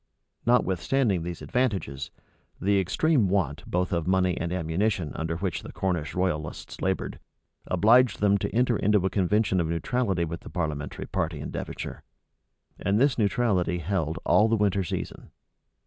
Notwithstanding these advantages, the extreme want both of money and ammunition under which the Cornish royalists labored, obliged them to enter into a convention of neutrality with the parliamentary party in Devonshire; and this neutrality held all the winter season.